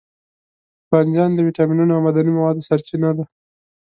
بانجان د ویټامینونو او معدني موادو سرچینه ده.